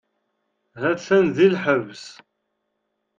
Ha-t-an di lḥebs.